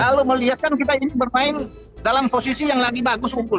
kalau melihat kan kita ini bermain dalam posisi yang lagi bagus unggul